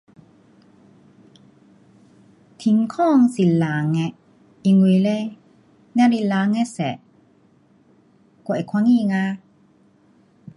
天空是蓝的，因为嘞只是蓝的色我会看见啊。